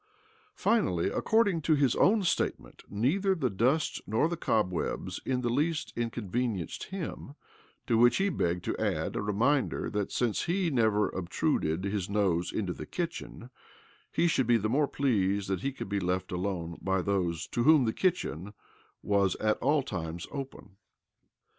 Finally, according to his own statement, neither the dust nor the cobwebs in the least inconvenienced him— 18 274 OBLOMOV \ to which he begged to add a reminder that, since he never obtruded his nose into the kitchen, he should be the more pleased if he could be left alone by those to whom the kitchen was at all times open.